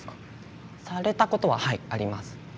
されたことははいあります。